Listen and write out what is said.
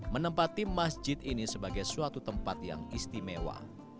menempati masjid ini sebagai suatu tempat yang istimewa